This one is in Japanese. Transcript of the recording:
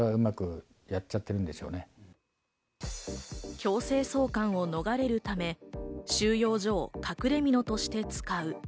強制送還を逃れるため、収容所を隠れ蓑として使う。